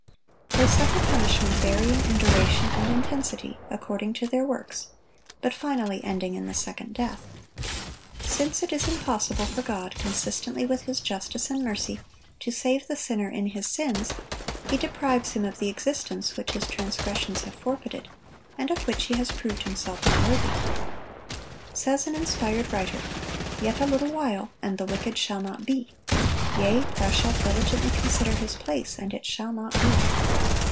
They suffer punishment varying in duration and intensity, "according to their works," but finally ending in the second death. Since it is impossible for God, consistently with His justice and mercy, to save the sinner in his sins, He deprives him of the existence which his transgressions have forfeited, and of which he has proved himself unworthy. Says an inspired writer, "Yet a little while, and the wicked shall not be: yea, thou shalt diligently consider his place, and it shall not be."